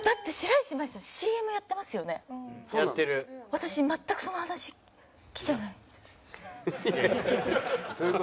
私全くその話来てないです。